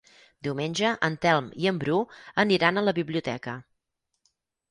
Diumenge en Telm i en Bru aniran a la biblioteca.